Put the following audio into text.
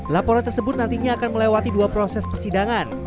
laporan tersebut nantinya akan melewati dua proses persidangan